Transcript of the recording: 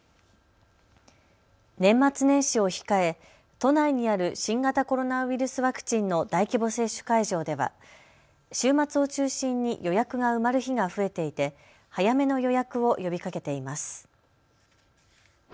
年末年始を控え都内にある新型コロナウイルスワクチンの大規模接種会場では週末を中心に予約が埋まる日が増えていて早めの予約を呼びかけています。